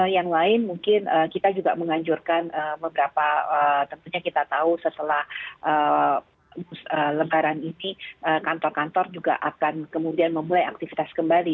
yang lain mungkin kita juga menganjurkan beberapa tentunya kita tahu setelah lebaran ini kantor kantor juga akan kemudian memulai aktivitas kembali